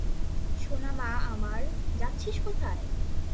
সোনা মা আমার, যাচ্ছিস কোথায়?